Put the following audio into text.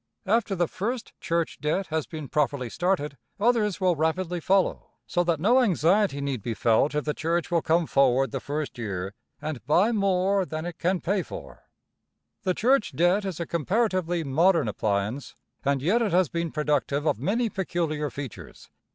After the first church debt has been properly started, others will rapidly follow, so that no anxiety need be felt if the church will come forward the first year and buy more than it can pay for. [Illustration: PUGILISM IN RELIGION.] The church debt is a comparatively modern appliance, and yet it has been productive of many peculiar features.